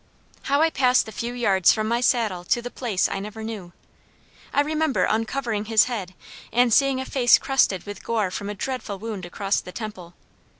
How I passed the few yards from my saddle to the place I never knew. I remember uncovering his head and seeing a face crusted with gore from a dreadful wound across the temple.